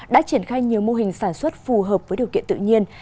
đã triển khai nhiều mô hình sản xuất phù hợp với điều kiện tự nhiên